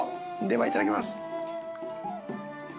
ではいただきます。